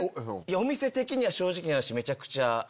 お店は正直な話めちゃくちゃ。